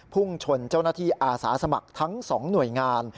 พุ่งชนเจ้าหน้าที่อาสาสมัครทั้ง๒หน่วยงาน